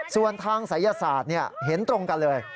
ส่วนทางศัยศาสตร์เห็นตรงกันเลย